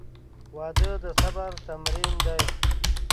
• واده د صبر تمرین دی.